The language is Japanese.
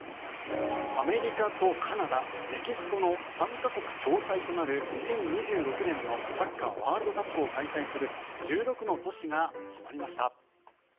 アメリカとカナダ、メキシコの３か国共催となる２０２６年のサッカーワールドカップを開催する１６の都市が決まりました。